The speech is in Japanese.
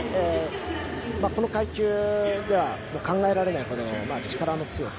この階級では考えられないような力の強さ。